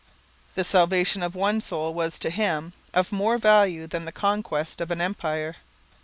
The salvation of one soul was to him 'of more value than the conquest of an empire.'